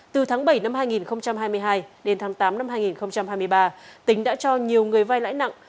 từ tháng bảy năm hai nghìn hai mươi hai đến tháng tám năm hai nghìn hai mươi ba tính đã cho nhiều người vai lãi nặng